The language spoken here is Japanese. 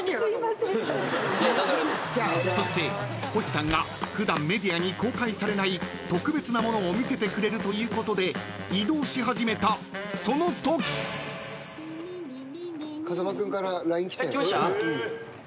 ［そして星さんが普段メディアに公開されない特別なものを見せてくれるということで移動し始めたその時］来ました？